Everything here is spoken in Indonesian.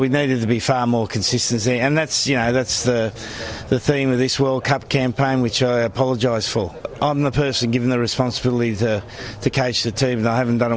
kita perlu lebih konsisten di sini dan itu adalah tema kampanye world cup ini yang saya minta maaf untuk